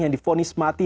yang difonis mati